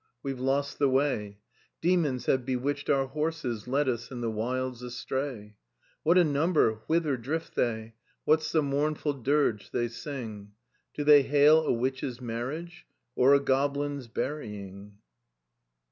We've lost the way, Demons have bewitched our horses, Led us in the wilds astray. "What a number! Whither drift they? What's the mournful dirge they sing? Do they hail a witch's marriage Or a goblin's burying?"